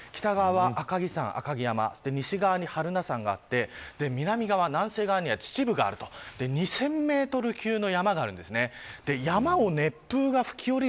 北側は赤城山西側に榛名山、南西側には秩父があると２０００メートル級の山があるんです。